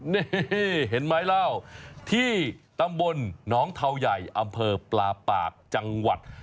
นี่เห็นไม้เหล้าที่ตำบลน้องเทาใหญ่อำเภอปลาปากจังหวัด